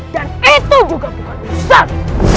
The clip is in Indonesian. dan itu juga bukan usat